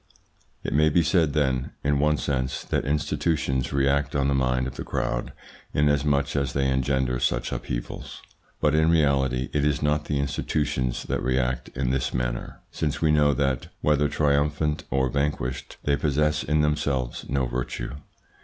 It may be said, then, in one sense, that institutions react on the mind of the crowd inasmuch as they engender such upheavals. But in reality it is not the institutions that react in this manner, since we know that, whether triumphant or vanquished, they possess in themselves no virtue.